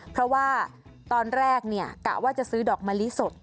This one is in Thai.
เพราะว่าตอนแรกกะว่าจะซื้อดอกมะลิสด